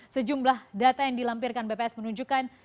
sejumlah data yang dilampirkan bps menunjukkan